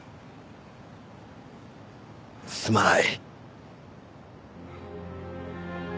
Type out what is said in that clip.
すまない。